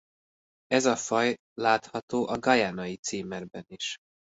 Ez a faj látható a guyanai címerben is.